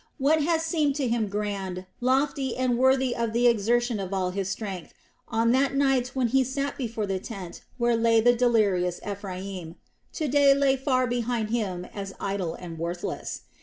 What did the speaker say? What had seemed to him grand, lofty, and worthy of the exertion of all his strength on that night when he sat before the tent where lay the delirious Ephraim, to day lay far behind him as idle and worthless.